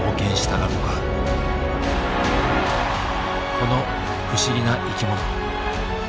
この不思議な生き物。